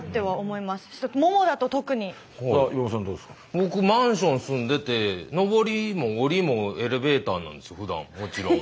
僕マンション住んでて上りも下りもエレベーターなんですふだんもちろん。